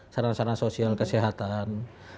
perasaan sosial kesehatan